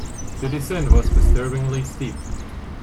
The descent was disturbingly steep.